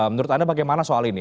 menurut anda bagaimana soal ini